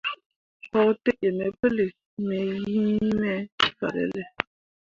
Koɲ tǝ iŋ me pǝlii, we hyi me fahrelle.